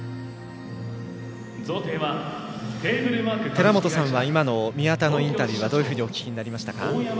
寺本さんは今の宮田のインタビューはどういうふうにお聞きになりましたか？